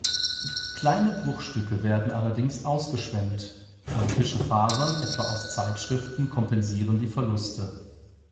Kleine Bruchstücke werden allerdings ausgeschwemmt, und frische Fasern etwa aus Zeitschriften kompensieren die Verluste.